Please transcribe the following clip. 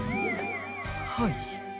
はい。